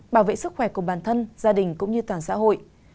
bảo vệ sức khỏe của bản thân gia đình cũng như toàn xã hội